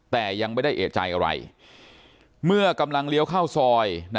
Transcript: แต่ยังไม่ได้เอกใจอะไรเมื่อกำลังเลี้ยวเข้าซอย